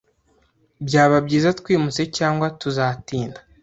Byaba byiza twimutse cyangwa tuzatinda